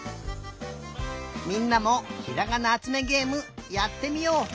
みんなも「ひらがなあつめげえむ」やってみよう。